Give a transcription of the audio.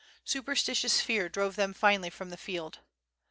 ... Superstitious fear drove them finally from the field.